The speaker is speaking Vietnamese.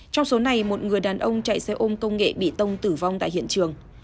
trong số này một người đàn ông chạy xe ôm công nghệ bị tông tử vong tại hiện trường